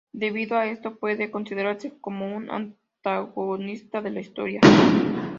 Debido a esto, puede considerarse como un antagonista de la historia.